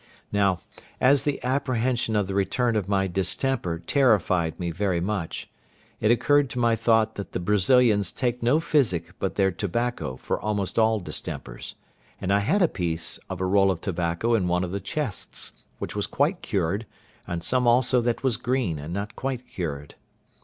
Now, as the apprehension of the return of my distemper terrified me very much, it occurred to my thought that the Brazilians take no physic but their tobacco for almost all distempers, and I had a piece of a roll of tobacco in one of the chests, which was quite cured, and some also that was green, and not quite cured.